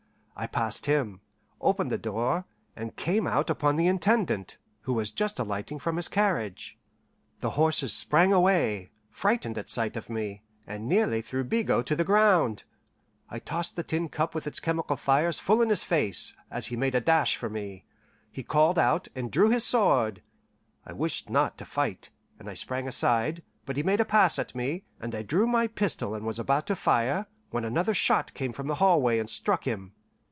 I passed him, opened the door, and came out upon the Intendant, who was just alighting from his carriage. The horses sprang away, frightened at sight of me, and nearly threw Bigot to the ground. I tossed the tin cup with its chemical fires full in his face, as he made a dash for me. He called out, and drew his sword. I wished not to fight, and I sprang aside; but he made a pass at me, and I drew my pistol and was about to fire, when another shot came from the hallway and struck him.